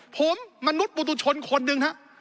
ผมมนุษย์ปุตุชนคนหนึ่งฮะ